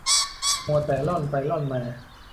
มัวแต่ร่อนไปร่อนมา